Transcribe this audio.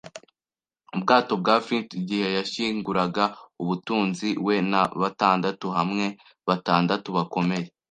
Ubwato bwa Flint igihe yashyinguraga ubutunzi; we na batandatu hamwe - batandatu bakomeye.